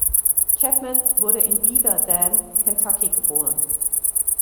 Chapman wurde in Beaver Dam, Kentucky geboren.